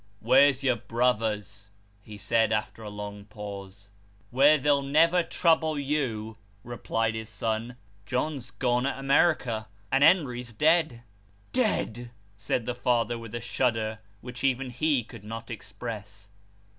" Where's your brothers ?" he said, after a long pause. " Where they'll never trouble you," replied the son :" John's gone to America, and Henry's dead." " Dead !" said the father, with a shudder, which even he could not repress.